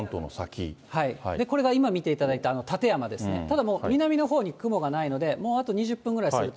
これが今、見ていただいた館山ですね、ただもう、南のほうに雲がないので、もうあと２０分ぐらいすると。